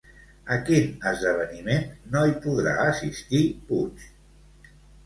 A quin esdeveniment no hi podrà assistir, Puig?